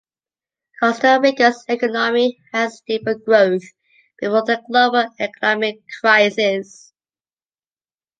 Costa Rica's economy had stable growth before the global economic crisis.